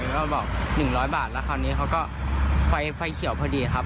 ก็บอก๑๐๐บาทแล้วคราวนี้เขาก็ไฟเขียวพอดีครับ